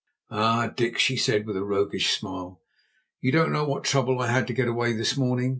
"Ah, Dick," she said, with a roguish smile, "you don't know what trouble I had to get away this morning.